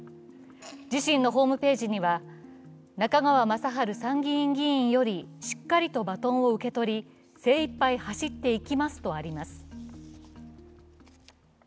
自身のホームページには中川雅治参議院議員よりしっかりとバトンを受け取り、精いっぱい走っていきますとあります。